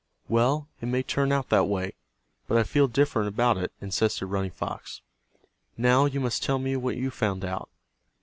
"Well, it may turn out that way, but I feel different about it," insisted Running Fox. "Now you must tell me what you found out."